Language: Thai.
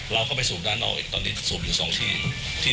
เราก็ไปสูบด้านเราเองตอนนี้สูบอยู่๒ที่